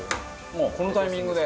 もうこのタイミングで？